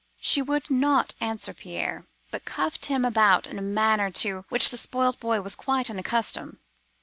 She would not answer Pierre, but cuffed him about in a manner to which the spoilt boy was quite unaccustomed.